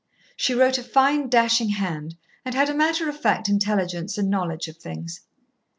She wrote a fine, dashing hand, and had a matter of fact intelligence and knowledge of things.